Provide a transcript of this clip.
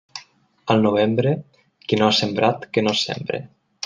Al novembre, qui no ha sembrat, que no sembre.